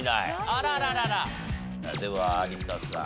では有田さん。